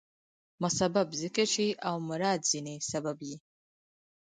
مسبب ذکر شي او مراد ځني سبب يي.